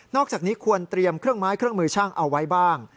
อกจากนี้ควรเตรียมเครื่องไม้เครื่องมือช่างเอาไว้บ้าง